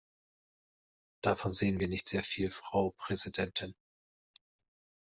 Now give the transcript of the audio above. Davon sehen wir nicht sehr viel, Frau Präsidentin.